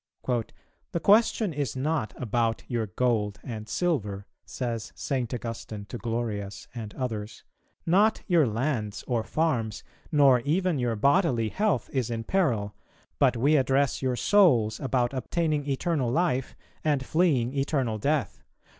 "The question is not about your gold and silver," says St. Augustine to Glorius and others, "not your lands, or farms, nor even your bodily health is in peril, but we address your souls about obtaining eternal life and fleeing eternal death.